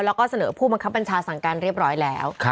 แล้วก็เสนอผู้บังคับบัญชาสั่งการเรียบร้อยแล้ว